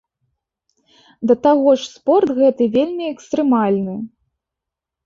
Да таго ж спорт гэты вельмі экстрэмальны.